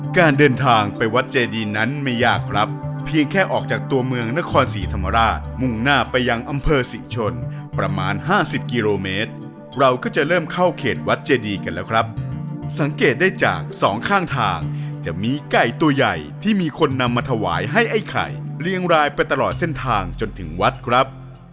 การเดินทางไปวัดเจดีนั้นไม่ยากครับเพียงแค่ออกจากตัวเมืองนครศรีธรรมราชมุ่งหน้าไปยังอำเภอศรีชนประมาณห้าสิบกิโลเมตรเราก็จะเริ่มเข้าเขตวัดเจดีกันแล้วครับสังเกตได้จากสองข้างทางจะมีไก่ตัวใหญ่ที่มีคนนำมาถวายให้ไอ้ไข่เรียงรายไปตลอดเส้นทางจนถึงวัดครับ